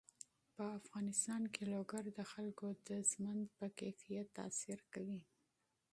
په افغانستان کې لوگر د خلکو د ژوند په کیفیت تاثیر کوي.